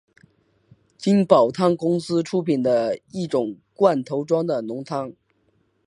金宝汤公司出品的一种罐头装的浓汤。